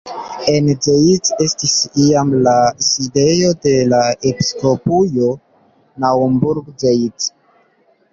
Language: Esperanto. En Zeitz estis iam la sidejo de la Episkopujo Naumburg-Zeitz.